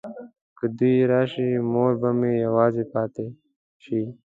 که دوی راشي مور به مې یوازې پاته شي.